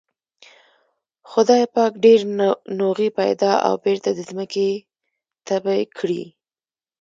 خدای پاک ډېر نوغې پيدا او بېرته د ځمکې تبی کړې.